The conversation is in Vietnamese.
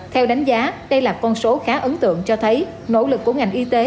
theo đánh giá đây là con số khá ấn tượng cho thấy nỗ lực của ngành y tế